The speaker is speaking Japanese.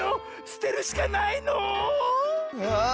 すてるしかないの⁉あ！